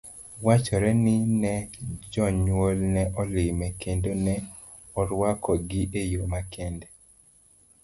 Wachore ni ne jonyuolne ne olime, kendo ne oruako gi eyo makende.